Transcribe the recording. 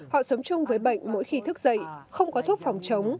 họ sống chung với bệnh mỗi khi thức dậy không có thuốc phòng chống